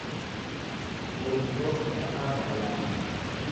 Buruntoo Mul’ataa Dabalaa